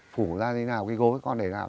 phủ ra như thế nào cái gối con để ra